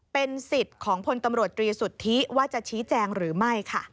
เป็นสิทธิ์ของพลตำรวจตรีสุทธิว่าจะชี้แจงหรือไม่ค่ะ